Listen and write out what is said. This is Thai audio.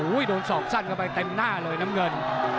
โดนสอกสั้นเข้าไปเต็มหน้าเลยน้ำเงิน